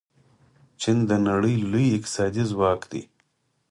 چین د نړۍ لوی اقتصادي ځواک دی.